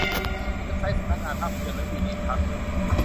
เว็บไซต์สำนักงานภาพยนตร์และวีดิทัศน์